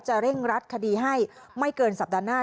เร่งรัดคดีให้ไม่เกินสัปดาห์หน้า